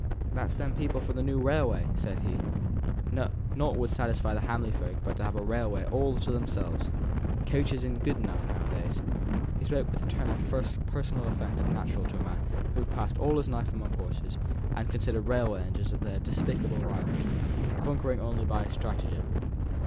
"Them's the people for the new railway," said he. "Nought would satisfy the Hamley folk but to have a railway all to themselves coaches isn't good enough now a days." He spoke with a tone of personal offence natural to a man who had passed all his life among horses, and considered railway engines as their despicable rivals, conquering only by stratagem.